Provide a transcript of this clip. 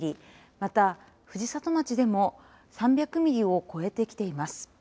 また、藤里町でも３００ミリを超えてきています。